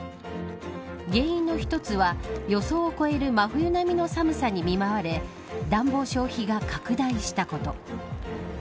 原因の一つは予想を超える真冬並みの寒さに見舞われ暖房消費が拡大したこと。